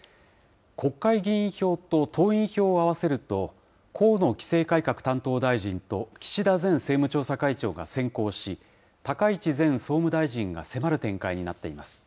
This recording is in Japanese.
国会議員票と党員票を合わせると、河野規制改革担当大臣と岸田前政務調査会長が先行し、高市前総務大臣が迫る展開になっています。